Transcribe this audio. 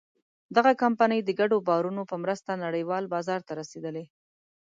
دغه کمپنۍ د ګډو باورونو په مرسته نړۍوال بازار ته رسېدلې.